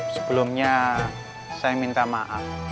sebelumnya saya minta maaf